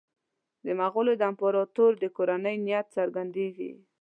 د مغولو د امپراطور د کورنۍ نیت څرګندېږي.